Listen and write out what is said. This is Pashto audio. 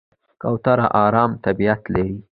کوتره آرام طبیعت لري.